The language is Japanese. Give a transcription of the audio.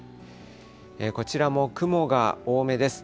こちらも雲が多めです。